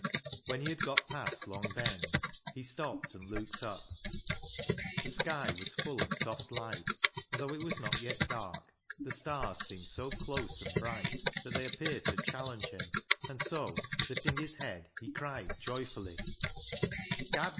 When he had got past Long Ben's he stopped and looked up. The sky was full of soft light, and though it was not yet dark, the stars seemed so close and bright that they appeared to challenge him, and so, lifting his head, he cried joyfully —" Capt